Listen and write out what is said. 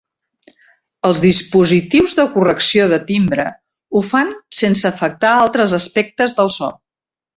Els dispositius de correcció de timbre ho fan sense afectar altres aspectes del so.